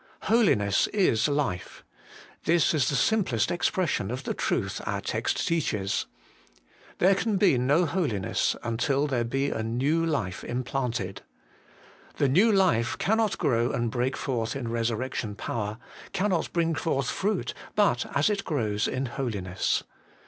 Holiness is Life: this is the simplest expression of the truth our text teaches. There can be no holiness until there be a new life implanted. The new life cannot grow and break forth in resurrec tion power, cannot bring forth fruit, but as it grows in holiness.